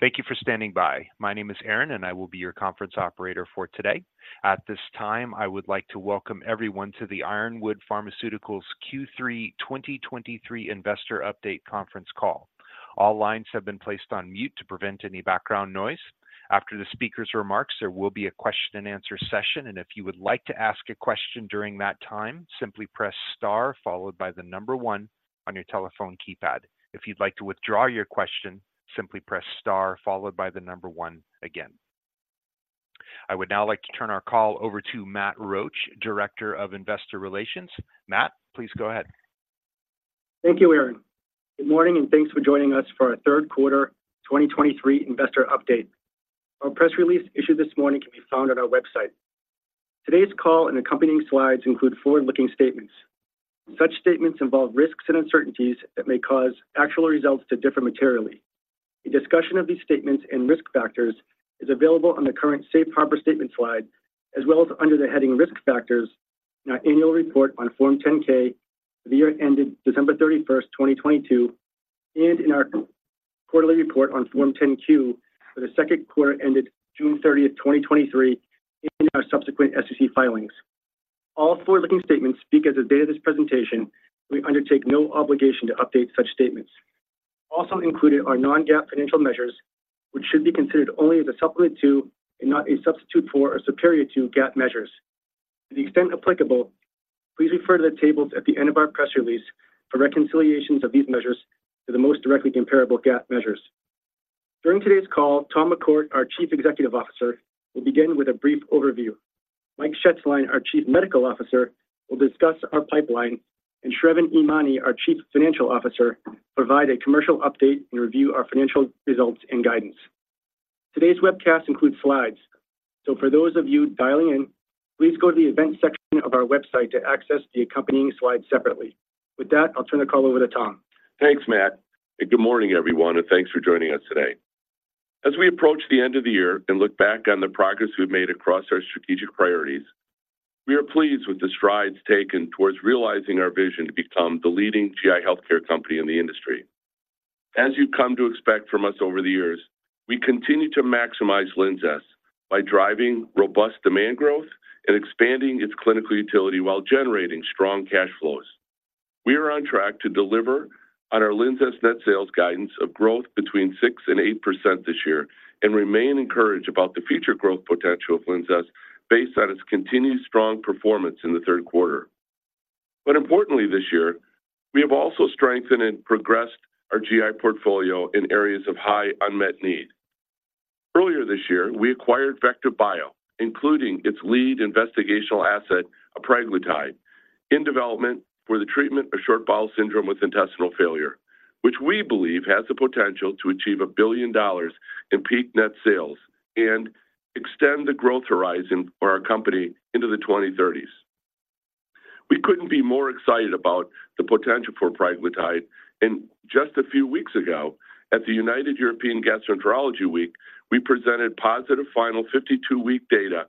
Thank you for standing by. My name is Aaron, and I will be your conference operator for today. At this time, I would like to welcome everyone to the Ironwood Pharmaceuticals Q3 2023 Investor Update conference call. All lines have been placed on mute to prevent any background noise. After the speaker's remarks, there will be a question and answer session, and if you would like to ask a question during that time, simply press star followed by the number one on your telephone keypad. If you'd like to withdraw your question, simply press star followed by the number one again. I would now like to turn our call over to Matt Roache, Director of Investor Relations. Matt, please go ahead. Thank you, Aaron. Good morning, and thanks for joining us for our third quarter 2023 investor update. Our press release issued this morning can be found on our website. Today's call and accompanying slides include forward-looking statements. Such statements involve risks and uncertainties that may cause actual results to differ materially. A discussion of these statements and risk factors is available on the current safe harbor statement slide, as well as under the heading Risk Factors in our annual report on Form 10-K for the year ended December 31, 2022, and in our quarterly report on Form 10-Q for the second quarter ended June 30, 2023, in our subsequent SEC filings. All forward-looking statements speak as of the date of this presentation. We undertake no obligation to update such statements. Also included are non-GAAP financial measures, which should be considered only as a supplement to and not a substitute for or superior to GAAP measures. To the extent applicable, please refer to the tables at the end of our press release for reconciliations of these measures to the most directly comparable GAAP measures. During today's call, Tom McCourt, our Chief Executive Officer, will begin with a brief overview. Mike Shetzline, our Chief Medical Officer, will discuss our pipeline, and Sravan Emany, our Chief Financial Officer, provide a commercial update and review our financial results and guidance. Today's webcast includes slides, so for those of you dialing in, please go to the events section of our website to access the accompanying slides separately. With that, I'll turn the call over to Tom. Thanks, Matt, and good morning, everyone, and thanks for joining us today. As we approach the end of the year and look back on the progress we've made across our strategic priorities, we are pleased with the strides taken towards realizing our vision to become the leading GI healthcare company in the industry. As you've come to expect from us over the years, we continue to maximize LINZESS by driving robust demand growth and expanding its clinical utility while generating strong cash flows. We are on track to deliver on our LINZESS net sales guidance of growth between 6%-8% this year and remain encouraged about the future growth potential of LINZESS based on its continued strong performance in the third quarter. Importantly, this year, we have also strengthened and progressed our GI portfolio in areas of high unmet need. Earlier this year, we acquired VectivBio, including its lead investigational asset, apraglutide, in development for the treatment of short bowel syndrome with intestinal failure, which we believe has the potential to achieve $1 billion in peak net sales and extend the growth horizon for our company into the 2030s. We couldn't be more excited about the potential for apraglutide, and just a few weeks ago, at the United European Gastroenterology Week, we presented positive final 52-week data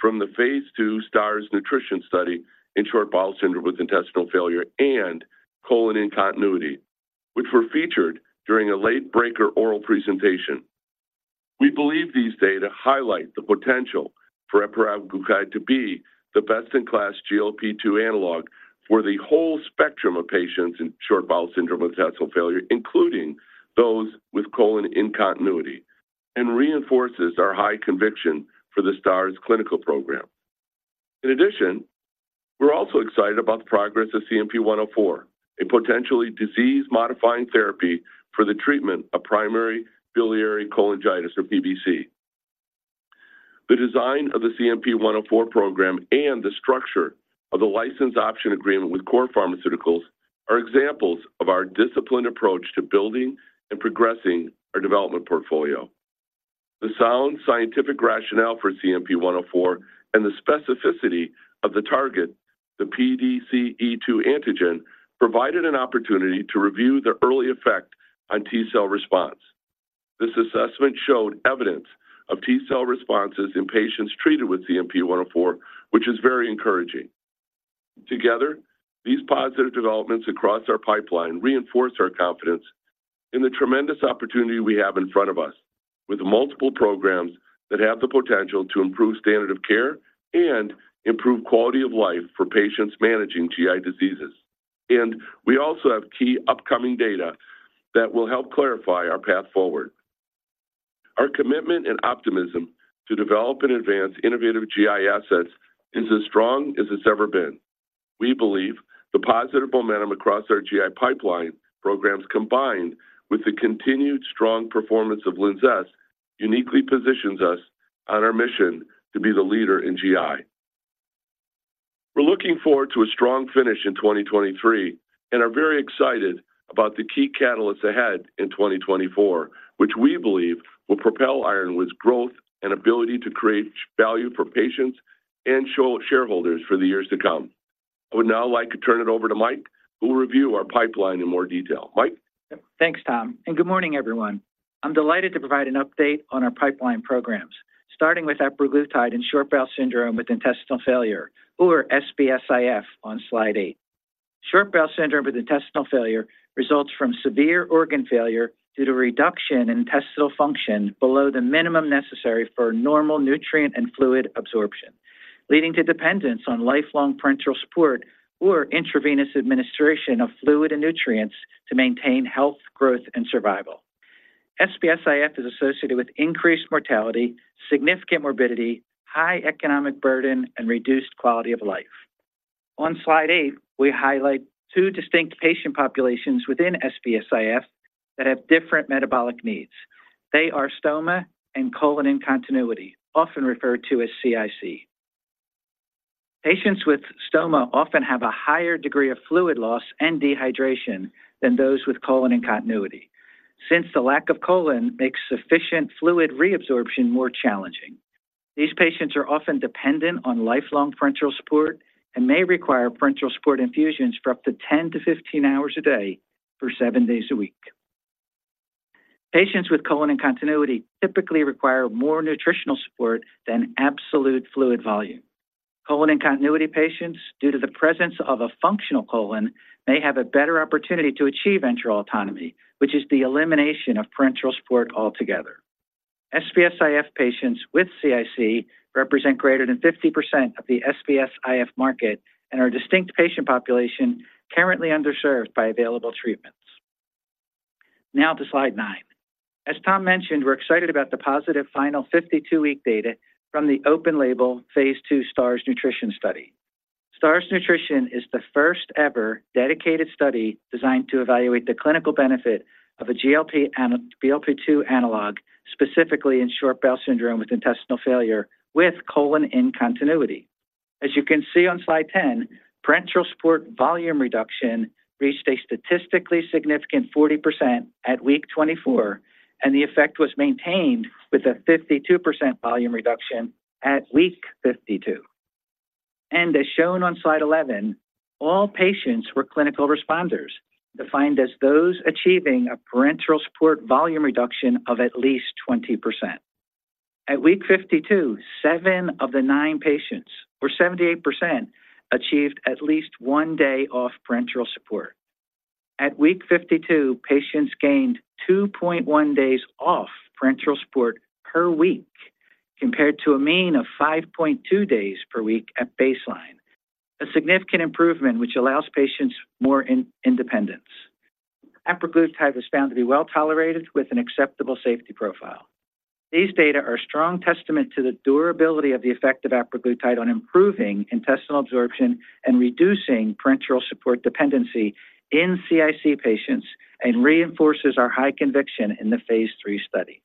from the phase 2 STARS Nutrition study in short bowel syndrome with intestinal failure and colon-in-continuity, which were featured during a late-breaker oral presentation. We believe these data highlight the potential for apraglutide to be the best-in-class GLP-2 analog for the whole spectrum of patients in short bowel syndrome with intestinal failure, including those with colon-in-continuity, and reinforces our high conviction for the STARS clinical program. In addition, we're also excited about the progress of CNP-104, a potentially disease-modifying therapy for the treatment of primary biliary cholangitis or PBC. The design of the CNP-104 program and the structure of the license option agreement with Cour Pharmaceuticals are examples of our disciplined approach to building and progressing our development portfolio. The sound scientific rationale for CNP-104 and the specificity of the target, the PDC-E2 antigen, provided an opportunity to review the early effect on T cell response. This assessment showed evidence of T cell responses in patients treated with CNP-104, which is very encouraging. Together, these positive developments across our pipeline reinforce our confidence in the tremendous opportunity we have in front of us, with multiple programs that have the potential to improve standard of care and improve quality of life for patients managing GI diseases. We also have key upcoming data that will help clarify our path forward. Our commitment and optimism to develop and advance innovative GI assets is as strong as it's ever been. We believe the positive momentum across our GI pipeline programs, combined with the continued strong performance of LINZESS, uniquely positions us on our mission to be the leader in GI. We're looking forward to a strong finish in 2023 and are very excited about the key catalysts ahead in 2024, which we believe will propel Ironwood's growth and ability to create value for patients and our shareholders for the years to come. I would now like to turn it over to Mike, who will review our pipeline in more detail. Mike? Thanks, Tom, and good morning, everyone. I'm delighted to provide an update on our pipeline programs, starting with apraglutide and short bowel syndrome with intestinal failure, or SBS-IF, on slide 8.... Short bowel syndrome with intestinal failure results from severe organ failure due to reduction in intestinal function below the minimum necessary for normal nutrient and fluid absorption, leading to dependence on lifelong parenteral support or intravenous administration of fluid and nutrients to maintain health, growth, and survival. SBS-IF is associated with increased mortality, significant morbidity, high economic burden, and reduced quality of life. On slide 8, we highlight two distinct patient populations within SBS-IF that have different metabolic needs. They are stoma and colon-in-continuity, often referred to as CIC. Patients with stoma often have a higher degree of fluid loss and dehydration than those with colon-in-continuity, since the lack of colon makes sufficient fluid reabsorption more challenging. These patients are often dependent on lifelong parenteral support and may require parenteral support infusions for up to 10-15 hours a day for seven days a week. Patients with colon-in-continuity typically require more nutritional support than absolute fluid volume. Colon-in-continuity patients, due to the presence of a functional colon, may have a better opportunity to achieve enteral autonomy, which is the elimination of parenteral support altogether. SBS-IF patients with CIC represent greater than 50% of the SBS-IF market and are a distinct patient population currently underserved by available treatments. Now to slide 9. As Tom mentioned, we're excited about the positive final 52-week data from the open-label phase 2 STARS-Nutrition study. STARS-Nutrition is the first-ever dedicated study designed to evaluate the clinical benefit of a GLP-2 analog, specifically in short bowel syndrome with intestinal failure, with colon-in-continuity. As you can see on slide 10, parenteral support volume reduction reached a statistically significant 40% at week 24, and the effect was maintained with a 52% volume reduction at week 52. As shown on slide 11, all patients were clinical responders, defined as those achieving a parenteral support volume reduction of at least 20%. At week 52, 7 of the 9 patients, or 78%, achieved at least one day off parenteral support. At week 52, patients gained 2.1 days off parenteral support per week, compared to a mean of 5.2 days per week at baseline, a significant improvement which allows patients more independence. Apraglutide was found to be well-tolerated with an acceptable safety profile. These data are a strong testament to the durability of the effect of apraglutide on improving intestinal absorption and reducing parenteral support dependency in CIC patients and reinforces our high conviction in the phase three study.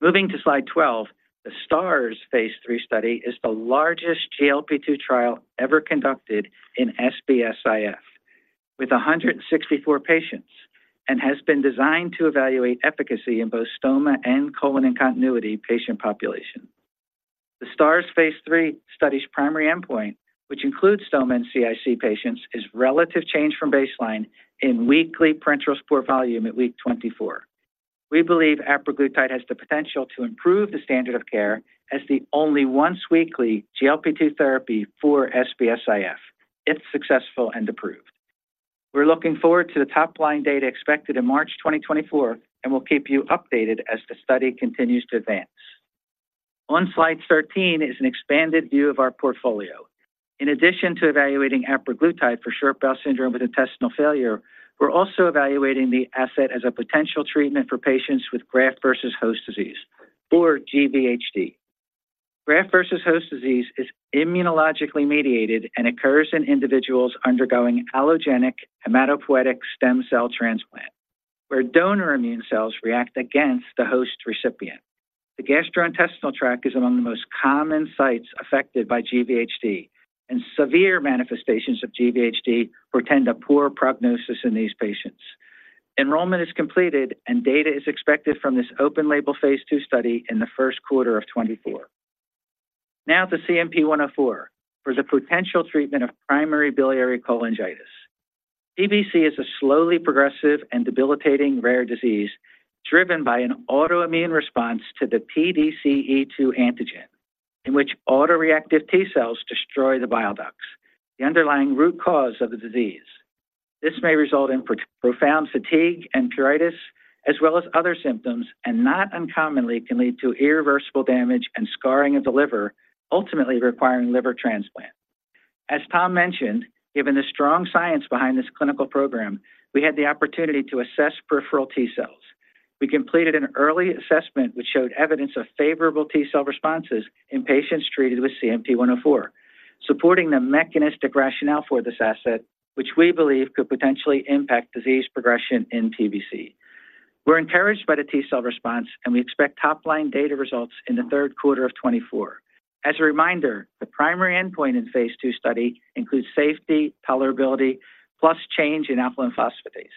Moving to slide 12, the STARS phase three study is the largest GLP-2 trial ever conducted in SBS-IF, with 164 patients, and has been designed to evaluate efficacy in both stoma and colon-in-continuity patient population. The STARS phase three study's primary endpoint, which includes stoma and CIC patients, is relative change from baseline in weekly parenteral support volume at week 24. We believe apraglutide has the potential to improve the standard of care as the only once-weekly GLP-2 therapy for SBS-IF, if successful and approved. We're looking forward to the top-line data expected in March 2024, and we'll keep you updated as the study continues to advance. On slide 13 is an expanded view of our portfolio. In addition to evaluating apraglutide for short bowel syndrome with intestinal failure, we're also evaluating the asset as a potential treatment for patients with graft versus host disease, or GVHD. Graft versus host disease is immunologically mediated and occurs in individuals undergoing allogeneic hematopoietic stem cell transplant, where donor immune cells react against the host recipient. The gastrointestinal tract is among the most common sites affected by GVHD, and severe manifestations of GVHD portend a poor prognosis in these patients. Enrollment is completed, and data is expected from this open-label phase 2 study in the first quarter of 2024. Now to CNP-104 for the potential treatment of primary biliary cholangitis. PBC is a slowly progressive and debilitating rare disease driven by an autoimmune response to the PDC-E2 antigen, in which autoreactive T cells destroy the bile ducts, the underlying root cause of the disease. This may result in profound fatigue and pruritus, as well as other symptoms, and not uncommonly, can lead to irreversible damage and scarring of the liver, ultimately requiring liver transplant. As Tom mentioned, given the strong science behind this clinical program, we had the opportunity to assess peripheral T cells. We completed an early assessment, which showed evidence of favorable T cell responses in patients treated with CNP-104, supporting the mechanistic rationale for this asset, which we believe could potentially impact disease progression in PBC. We're encouraged by the T cell response, and we expect top-line data results in the third quarter of 2024. As a reminder, the primary endpoint in phase 2 study includes safety, tolerability, plus change in alkaline phosphatase.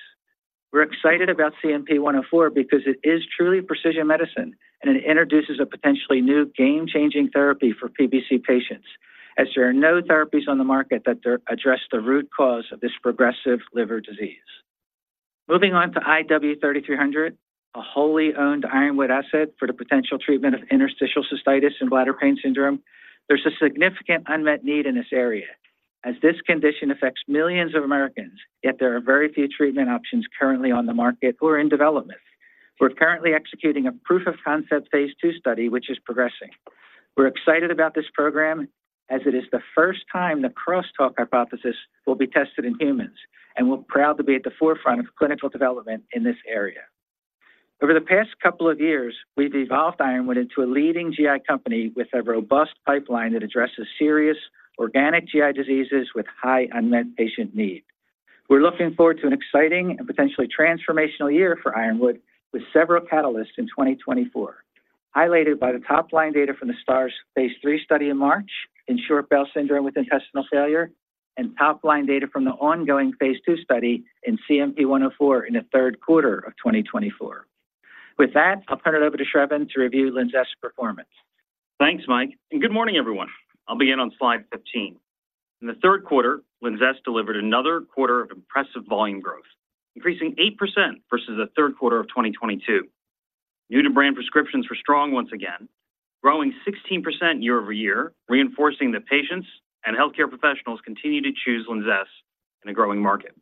We're excited about CNP-104 because it is truly precision medicine, and it introduces a potentially new game-changing therapy for PBC patients, as there are no therapies on the market that address the root cause of this progressive liver disease. Moving on to IW-3300, a wholly owned Ironwood asset for the potential treatment of interstitial cystitis and bladder pain syndrome. There's a significant unmet need in this area, as this condition affects millions of Americans, yet there are very few treatment options currently on the market or in development. We're currently executing a proof of concept phase 2 study, which is progressing. We're excited about this program as it is the first time the crosstalk hypothesis will be tested in humans, and we're proud to be at the forefront of clinical development in this area. Over the past couple of years, we've evolved Ironwood into a leading GI company with a robust pipeline that addresses serious organic GI diseases with high unmet patient need. We're looking forward to an exciting and potentially transformational year for Ironwood, with several catalysts in 2024, highlighted by the top-line data from the STARS phase 3 study in March, in short bowel syndrome with intestinal failure, and top-line data from the ongoing phase 2 study in CNP-104 in the third quarter of 2024. With that, I'll turn it over to Sravan to review LINZESS's performance. Thanks, Mike, and good morning, everyone. I'll begin on slide 15. In the third quarter, LINZESS delivered another quarter of impressive volume growth, increasing 8% versus the third quarter of 2022. New-to-brand prescriptions were strong once again, growing 16% year-over-year, reinforcing that patients and healthcare professionals continue to choose LINZESS in a growing market.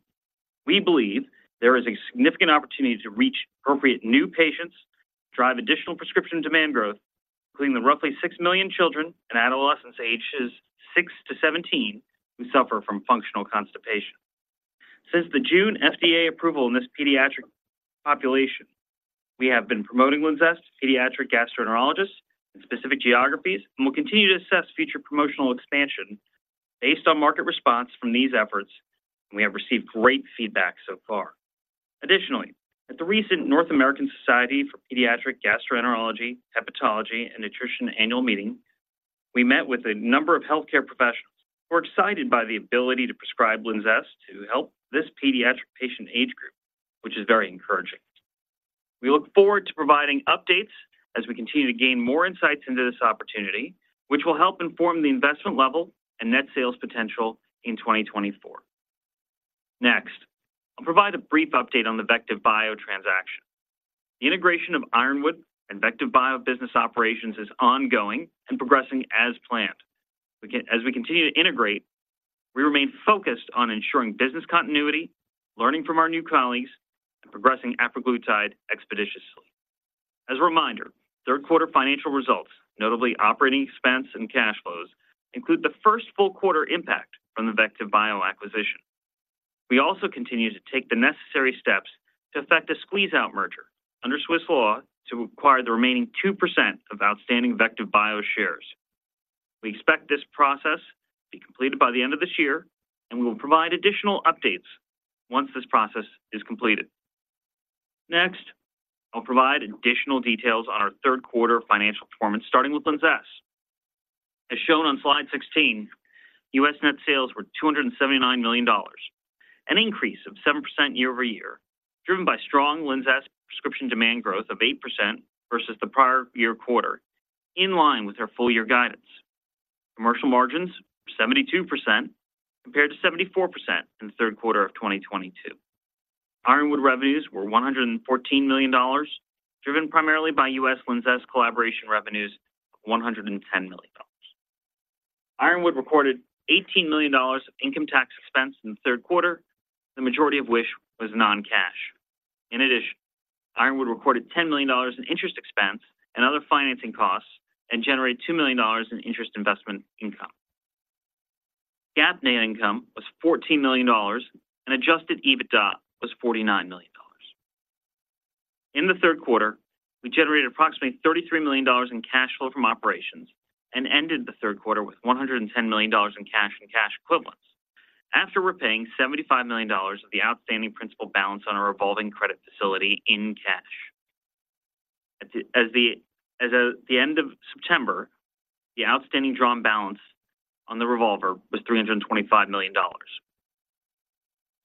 We believe there is a significant opportunity to reach appropriate new patients, drive additional prescription demand growth, including the roughly 6 million children and adolescents ages 6-17 who suffer from functional constipation. Since the June FDA approval in this pediatric population, we have been promoting LINZESS to pediatric gastroenterologists in specific geographies, and we'll continue to assess future promotional expansion based on market response from these efforts. We have received great feedback so far. Additionally, at the recent North American Society for Pediatric Gastroenterology, Hepatology, and Nutrition Annual Meeting, we met with a number of healthcare professionals who are excited by the ability to prescribe LINZESS to help this pediatric patient age group, which is very encouraging. We look forward to providing updates as we continue to gain more insights into this opportunity, which will help inform the investment level and net sales potential in 2024. Next, I'll provide a brief update on the VectivBio transaction. The integration of Ironwood and VectivBio business operations is ongoing and progressing as planned. As we continue to integrate, we remain focused on ensuring business continuity, learning from our new colleagues, and progressing apraglutide expeditiously. As a reminder, third quarter financial results, notably operating expense and cash flows, include the first full quarter impact from the VectivBio acquisition. We also continue to take the necessary steps to effect a squeeze-out merger under Swiss law to acquire the remaining 2% of outstanding VectivBio shares. We expect this process to be completed by the end of this year, and we will provide additional updates once this process is completed. Next, I'll provide additional details on our third quarter financial performance, starting with LINZESS. As shown on slide 16, U.S. net sales were $279 million, an increase of 7% year-over-year, driven by strong LINZESS prescription demand growth of 8% versus the prior year quarter, in line with our full-year guidance. Commercial margins, 72%, compared to 74% in the third quarter of 2022. Ironwood revenues were $114 million, driven primarily by U.S. LINZESS collaboration revenues of $110 million. Ironwood recorded $18 million of income tax expense in the third quarter, the majority of which was non-cash. In addition, Ironwood recorded $10 million in interest expense and other financing costs and generated $2 million in interest investment income. GAAP net income was $14 million, and adjusted EBITDA was $49 million. In the third quarter, we generated approximately $33 million in cash flow from operations and ended the third quarter with $110 million in cash and cash equivalents, after repaying $75 million of the outstanding principal balance on our revolving credit facility in cash. As of the end of September, the outstanding drawn balance on the revolver was $325 million.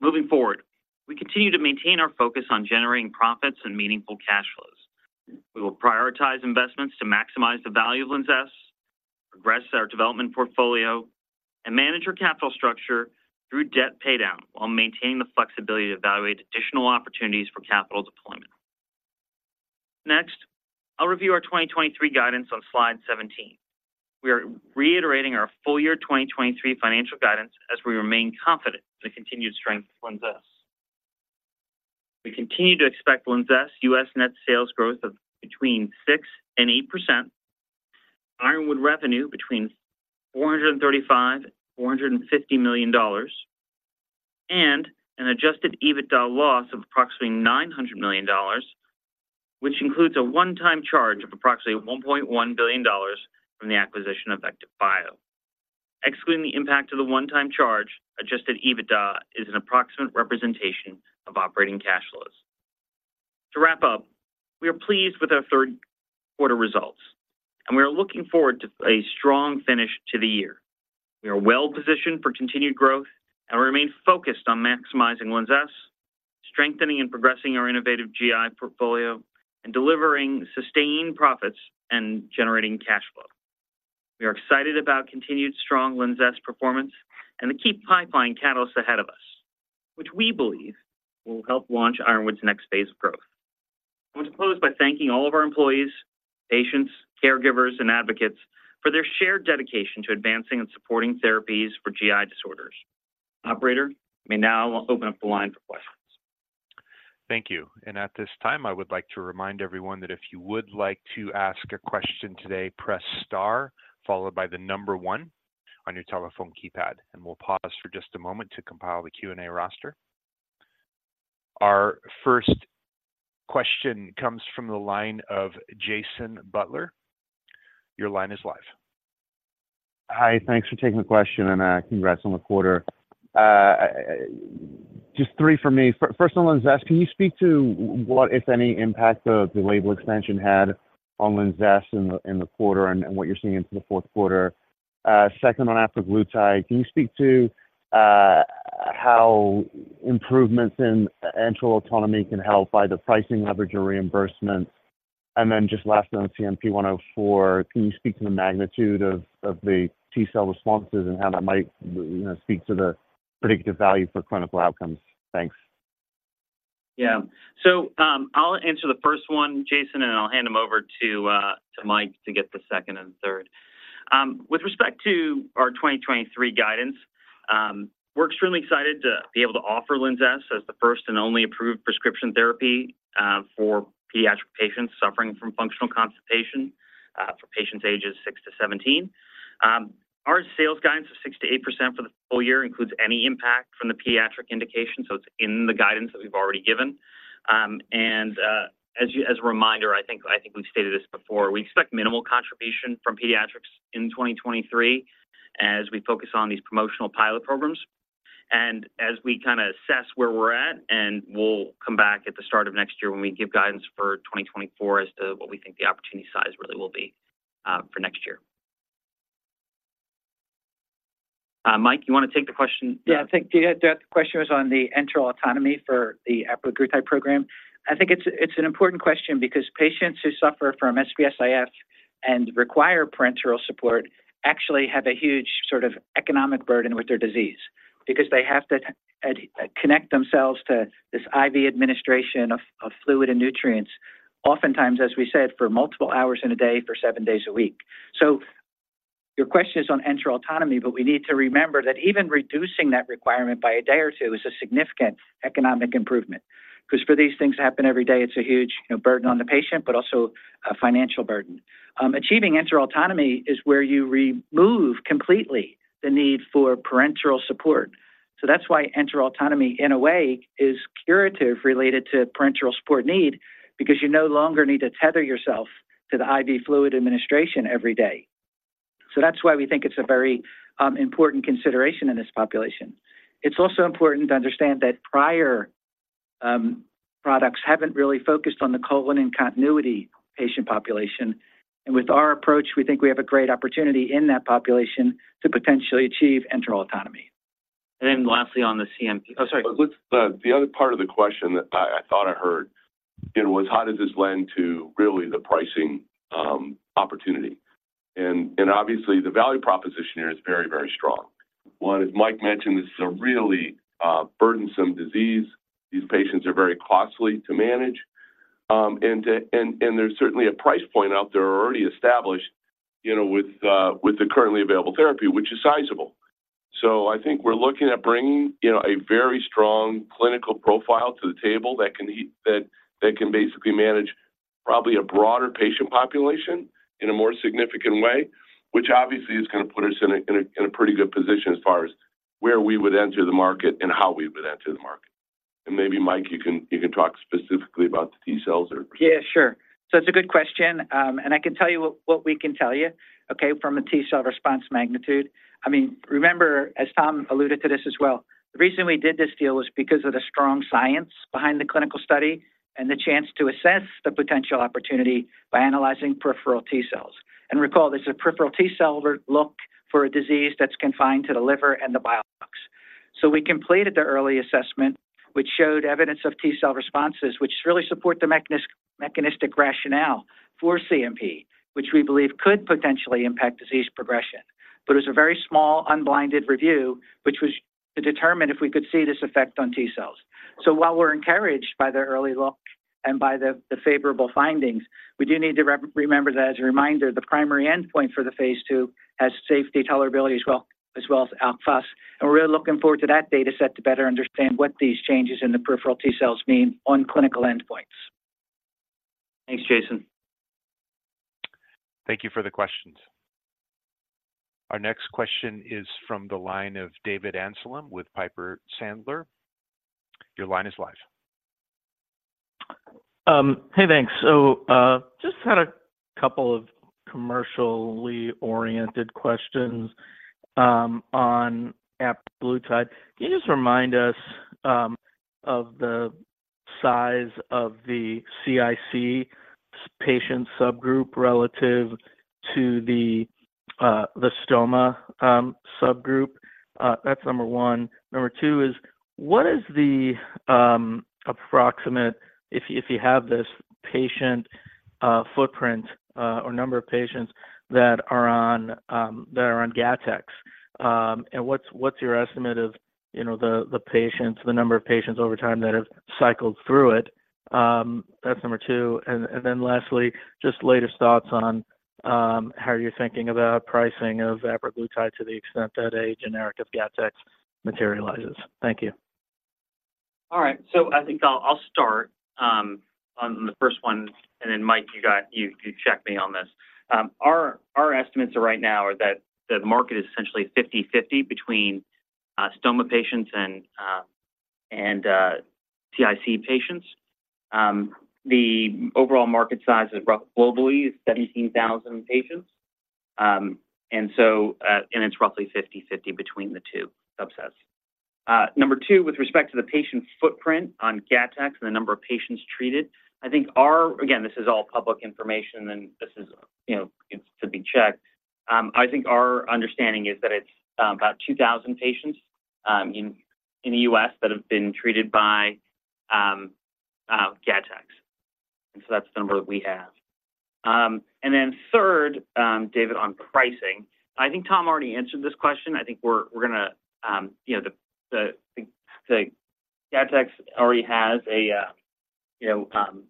Moving forward, we continue to maintain our focus on generating profits and meaningful cash flows. We will prioritize investments to maximize the value of LINZESS, progress our development portfolio, and manage our capital structure through debt paydown while maintaining the flexibility to evaluate additional opportunities for capital deployment. Next, I'll review our 2023 guidance on slide 17. We are reiterating our full-year 2023 financial guidance as we remain confident in the continued strength of LINZESS. We continue to expect LINZESS US net sales growth of between 6% and 8%, Ironwood revenue between $435 million and $450 million, and an adjusted EBITDA loss of approximately $900 million, which includes a one-time charge of approximately $1.1 billion from the acquisition of VectivBio. Excluding the impact of the one-time charge, adjusted EBITDA is an approximate representation of operating cash flows. To wrap up, we are pleased with our third quarter results and we are looking forward to a strong finish to the year. We are well-positioned for continued growth and remain focused on maximizing LINZESS, strengthening and progressing our innovative GI portfolio, and delivering sustained profits and generating cash flow. We are excited about continued strong LINZESS performance and the key pipeline catalysts ahead of us, which we believe will help launch Ironwood's next phase of growth. I want to close by thanking all of our employees, patients, caregivers, and advocates for their shared dedication to advancing and supporting therapies for GI disorders. Operator, you may now open up the line for questions. Thank you. At this time, I would like to remind everyone that if you would like to ask a question today, press star, followed by the number one on your telephone keypad, and we'll pause for just a moment to compile the Q&A roster. Our first question comes from the line of Jason Butler. Your line is live. Hi, thanks for taking the question, and, congrats on the quarter. Just three for me. First, on LINZESS, can you speak to what, if any, impact the, the label expansion had on LINZESS in the, in the quarter and, and what you're seeing into the fourth quarter? Second on apraglutide, can you speak to, how improvements in enteral autonomy can help either pricing, leverage, or reimbursement? And then just lastly, on CNP-104, can you speak to the magnitude of, of the T cell responses and how that might, you know, speak to the predictive value for clinical outcomes? Thanks. Yeah. So, I'll answer the first one, Jason, and then I'll hand them over to Mike to get the second and third. With respect to our 2023 guidance, we're extremely excited to be able to offer LINZESS as the first and only approved prescription therapy for pediatric patients suffering from functional constipation for patients ages 6-17. Our sales guidance of 6%-8% for the full year includes any impact from the pediatric indication, so it's in the guidance that we've already given. And, as a reminder, I think we've stated this before, we expect minimal contribution from pediatrics in 2023, as we focus on these promotional pilot programs. As we kind of assess where we're at, and we'll come back at the start of next year when we give guidance for 2024 as to what we think the opportunity size really will be, for next year. Mike, you want to take the question? Yeah, I think that the question was on the enteral autonomy for the apraglutide program. I think it's an important question because patients who suffer from SBS-IF and require parenteral support actually have a huge sort of economic burden with their disease because they have to connect themselves to this IV administration of fluid and nutrients, oftentimes, as we said, for multiple hours in a day, for seven days a week. So your question is on enteral autonomy, but we need to remember that even reducing that requirement by a day or two is a significant economic improvement. Because for these things to happen every day, it's a huge, you know, burden on the patient, but also a financial burden. Achieving enteral autonomy is where you remove completely the need for parenteral support. So that's why enteral autonomy, in a way, is curative related to parenteral support need, because you no longer need to tether yourself to the IV fluid administration every day. So that's why we think it's a very, important consideration in this population. It's also important to understand that prior, products haven't really focused on the colon-in-continuity patient population. And with our approach, we think we have a great opportunity in that population to potentially achieve enteral autonomy. And then lastly, on the CMP... Oh, sorry. Let's, the other part of the question that I thought I heard, you know, was how does this lend to really the pricing opportunity? And obviously, the value proposition here is very, very strong. One, as Mike mentioned, this is a really burdensome disease. These patients are very costly to manage, and there's certainly a price point out there already established, you know, with the currently available therapy, which is sizable. So I think we're looking at bringing, you know, a very strong clinical profile to the table that can that can basically manage probably a broader patient population in a more significant way, which obviously is going to put us in a pretty good position as far as where we would enter the market and how we would enter the market. Maybe, Mike, you can, you can talk specifically about the T cells or- Yeah, sure. So it's a good question, and I can tell you what we can tell you, okay, from a T cell response magnitude. I mean, remember, as Tom alluded to this as well, the reason we did this deal was because of the strong science behind the clinical study and the chance to assess the potential opportunity by analyzing peripheral T cells. And recall, this is a peripheral T cell look for a disease that's confined to the liver and the bile ducts. So we completed the early assessment, which showed evidence of T cell responses, which really support the mechanistic rationale for CNP, which we believe could potentially impact disease progression. But it was a very small, unblinded review, which was to determine if we could see this effect on T cells. So while we're encouraged by the early look and by the favorable findings, we do need to remember that as a reminder, the primary endpoint for the phase II has safety tolerability as well, as well as alpha. And we're really looking forward to that data set to better understand what these changes in the peripheral T cells mean on clinical endpoints. Thanks, Jason. Thank you for the questions. Our next question is from the line of David Amsellem, with Piper Sandler. Your line is live. Hey, thanks. So, just had a couple of commercially oriented questions on apraglutide. Can you just remind us of the size of the CIC patient subgroup relative to the stoma subgroup? That's number one. Number two is, what is the approximate, if you, if you have this, patient-... footprint, or number of patients that are on, that are on Gattex. And what's your estimate of, you know, the patients, the number of patients over time that have cycled through it? That's number two. And then lastly, just latest thoughts on, how you're thinking about pricing of apraglutide to the extent that a generic of Gattex materializes. Thank you. All right. So I think I'll start on the first one, and then, Mike, you check me on this. Our estimates are right now that the market is essentially 50/50 between stoma patients and CIC patients. The overall market size roughly globally is 17,000 patients. And so it's roughly 50/50 between the two subsets. Number two, with respect to the patient footprint on Gattex and the number of patients treated, I think our... Again, this is all public information, and this is, you know, it's to be checked. I think our understanding is that it's about 2,000 patients in the US that have been treated by Gattex. And so that's the number we have. And then third, David, on pricing, I think Tom already answered this question. I think we're, we're gonna, you know, the Gattex already has a, you know,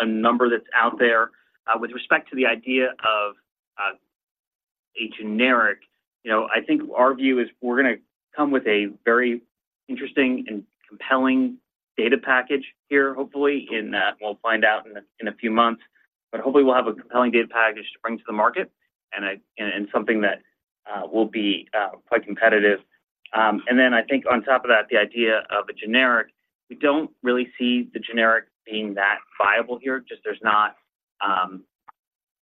a number that's out there. With respect to the idea of, a generic, you know, I think our view is we're gonna come with a very interesting and compelling data package here, hopefully, and, we'll find out in a few months. But hopefully, we'll have a compelling data package to bring to the market and, and, and something that, will be, quite competitive. And then I think on top of that, the idea of a generic, we don't really see the generic being that viable here. Just there's not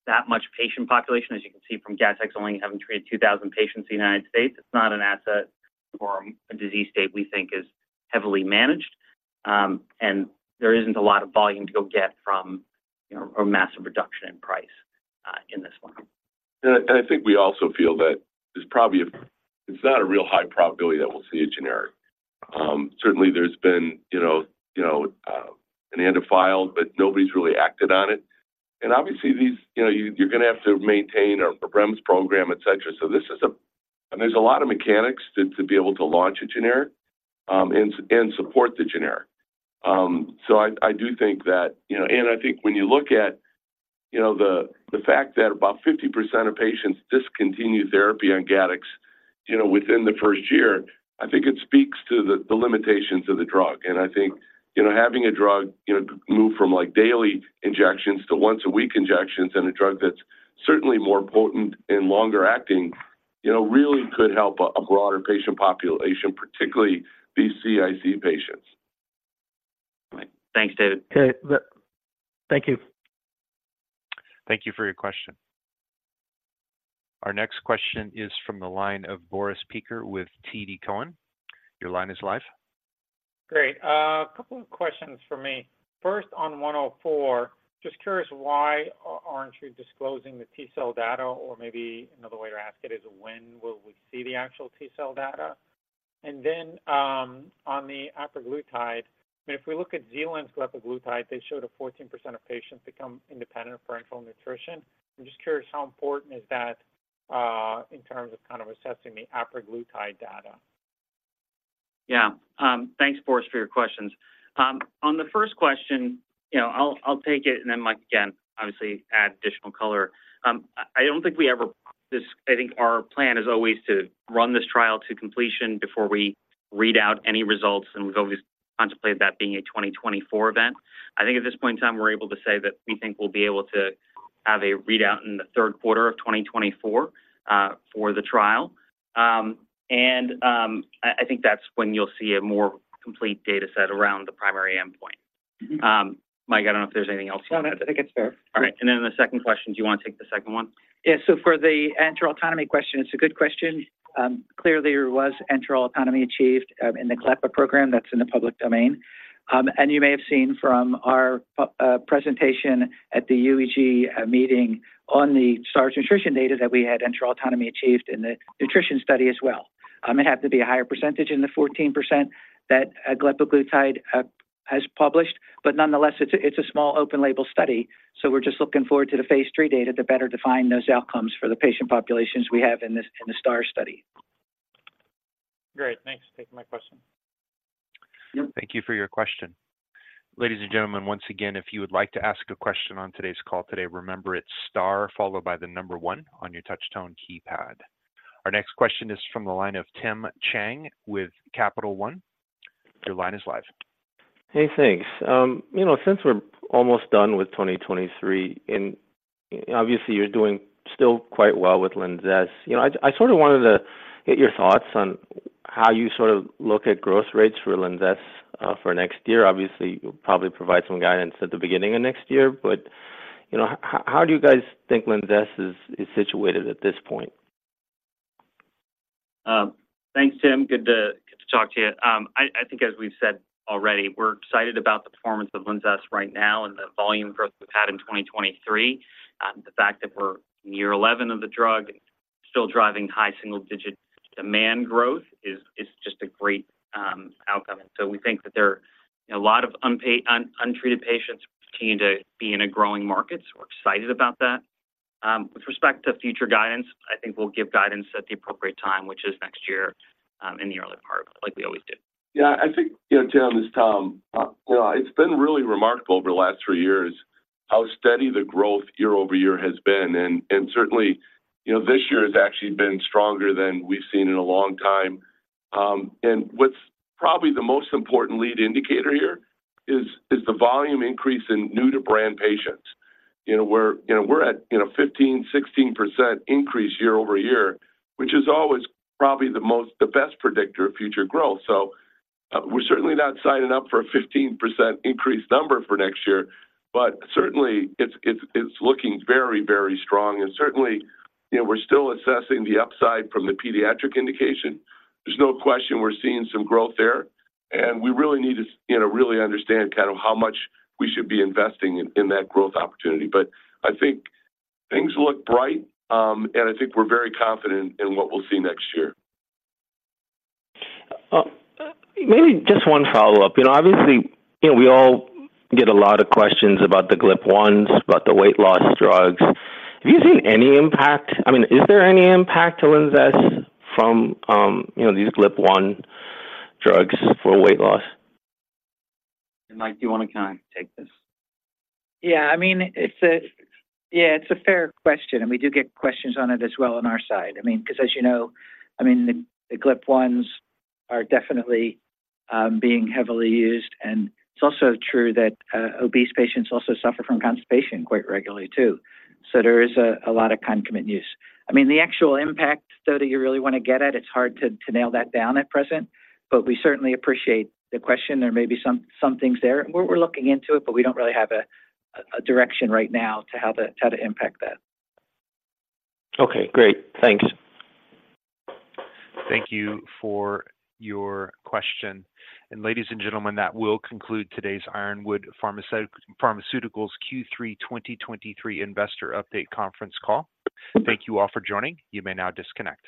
that much patient population, as you can see from Gattex only having treated 2,000 patients in the United States. It's not an asset for a disease state we think is heavily managed, and there isn't a lot of volume to go get from, you know, a massive reduction in price in this one. And I think we also feel that there's probably—it's not a real high probability that we'll see a generic. Certainly, there's been, you know, an ANDA filed, but nobody's really acted on it. And obviously, these, you know, you're gonna have to maintain a REMS program, et cetera. So this is a... And there's a lot of mechanics to be able to launch a generic, and support the generic. So I do think that, you know... And I think when you look at, you know, the fact that about 50% of patients discontinue therapy on Gattex, you know, within the first year, I think it speaks to the limitations of the drug. I think, you know, having a drug, you know, move from, like, daily injections to once-a-week injections and a drug that's certainly more potent and longer acting, you know, really could help a broader patient population, particularly these CIC patients. Right. Thanks, David. Okay. Thank you. Thank you for your question. Our next question is from the line of Boris Peaker with TD Cowen. Your line is live. Great. A couple of questions for me. First, on 104, just curious, why aren't you disclosing the T-cell data? Or maybe another way to ask it is, when will we see the actual T-cell data? And then, on the apraglutide, if we look at glepaglutide, they showed 14% of patients become independent of parenteral nutrition. I'm just curious, how important is that in terms of kind of assessing the apraglutide data? Yeah. Thanks, Boris, for your questions. On the first question, you know, I'll, I'll take it, and then, Mike, again, obviously, add additional color. I, I don't think we ever. I think our plan is always to run this trial to completion before we read out any results, and we've always contemplated that being a 2024 event. I think at this point in time, we're able to say that we think we'll be able to have a readout in the third quarter of 2024, for the trial. And, I, I think that's when you'll see a more complete data set around the primary endpoint. Mike, I don't know if there's anything else? No, I think it's fair. All right. And then the second question, do you want to take the second one? Yeah. So for the enteral autonomy question, it's a good question. Clearly, there was enteral autonomy achieved in the glepaglutide program that's in the public domain. And you may have seen from our presentation at the UEG meeting on the STARS Nutrition data that we had enteral autonomy achieved in the nutrition study as well. It happened to be a higher percentage in the 14% that glepaglutide has published, but nonetheless, it's a small open-label study, so we're just looking forward to the phase 3 data to better define those outcomes for the patient populations we have in the STARS study. Great. Thanks for taking my question. Thank you for your question. Ladies and gentlemen, once again, if you would like to ask a question on today's call today, remember, it's star followed by 1 on your touchtone keypad. Our next question is from the line of Tim Chiang with Capital One. Your line is live. Hey, thanks. You know, since we're almost done with 2023, and obviously, you're doing still quite well with LINZESS, you know, I sort of wanted to get your thoughts on how you sort of look at growth rates for LINZESS for next year. Obviously, you'll probably provide some guidance at the beginning of next year, but, you know, how do you guys think LINZESS is situated at this point? Thanks, Tim. Good to talk to you. I think as we've said already, we're excited about the performance of LINZESS right now and the volume growth we've had in 2023. The fact that we're near 11 of the drug still driving high single-digit demand growth is just a great outcome. And so we think that there are a lot of untreated patients continue to be in a growing market, so we're excited about that. With respect to future guidance, I think we'll give guidance at the appropriate time, which is next year, in the early part, like we always do. Yeah, I think, you know, Tim, this Tom, you know, it's been really remarkable over the last three years how steady the growth year-over-year has been. And certainly, you know, this year has actually been stronger than we've seen in a long time. And what's probably the most important lead indicator here is the volume increase in new-to-brand patients. You know, we're, you know, we're at, you know, 15%-16% increase year-over-year, which is always probably the most, the best predictor of future growth. So we're certainly not signing up for a 15% increased number for next year, but certainly, it's looking very, very strong. And certainly, you know, we're still assessing the upside from the pediatric indication. There's no question we're seeing some growth there, and we really need to, you know, really understand kind of how much we should be investing in, in that growth opportunity. But I think things look bright, and I think we're very confident in what we'll see next year. Maybe just one follow-up. You know, obviously, you know, we all get a lot of questions about the GLP-1s, about the weight loss drugs. Have you seen any impact? I mean, is there any impact to LINZESS from, you know, these GLP-1 drugs for weight loss? Mike, do you want to kind of take this? Yeah, I mean, it's a... Yeah, it's a fair question, and we do get questions on it as well on our side. I mean, because as you know, I mean, the, the GLP-1s are definitely being heavily used, and it's also true that obese patients also suffer from constipation quite regularly, too. So there is a lot of concomitant use. I mean, the actual impact, though, that you really want to get at, it's hard to nail that down at present, but we certainly appreciate the question. There may be some things there, and we're looking into it, but we don't really have a direction right now to how to impact that. Okay, great. Thanks. Thank you for your question. Ladies and gentlemen, that will conclude today's Ironwood Pharmaceuticals Q3 2023 Investor Update Conference Call. Thank you all for joining. You may now disconnect.